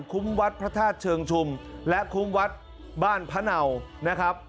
วัดพระธาตุเชิงชุมและคุ้มวัดบ้านพระเนานะครับ